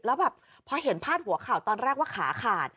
แล้วแบบพอเห็นพาดหัวข่าวตอนแรกว่าขาขาด